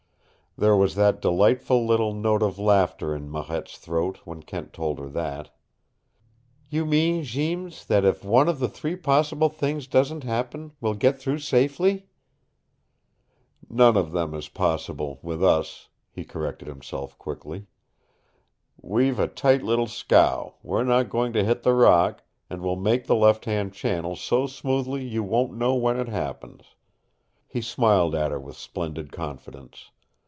There was that delightful little note of laughter in Marette's throat when Kent told her that. "You mean, Jeems, that if one of three possible things doesn't happen, we'll get through safely?" "None of them is possible with us," he corrected himself quickly. "We've a tight little scow, we're not going to hit the rock, and we'll make the left hand channel so smoothly you won't know when it happens." He smiled at her with splendid confidence.